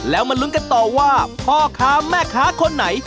แล้วมาลุ้นกันต่อว่าพ่อค้าแม่ค้าคนไหน